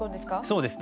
そうです。